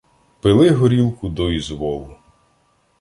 Пили горілку до ізволу